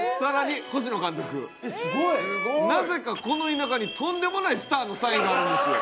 なぜかこの田舎にとんでもないスターのサインがあるんですよ。